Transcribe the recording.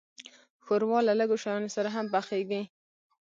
ښوروا له لږو شیانو سره هم پخیږي.